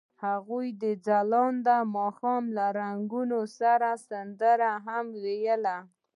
هغوی د ځلانده ماښام له رنګونو سره سندرې هم ویلې.